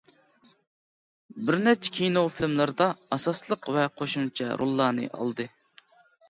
بىرنەچچە كىنو فىلىملىرىدا ئاساسلىق ۋە قوشۇمچە روللارنى ئالدى.